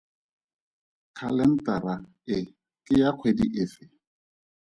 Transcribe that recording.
Khalentara e ke ya kgwedi efe?